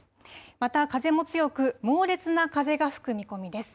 また風も強く猛烈な風が吹く見込みです。